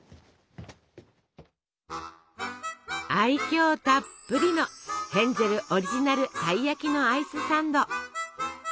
愛きょうたっぷりのヘンゼルオリジナルたい焼きのアイスサンド。